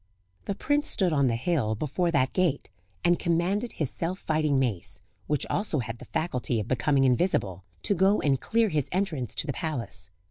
The prince stood on the hill before that gate, and commanded his self fighting mace, which also had the faculty of becoming invisible, to go and clear his entrance to the palace.